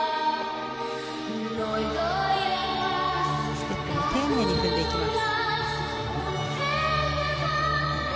ステップを丁寧に踏んでいきます。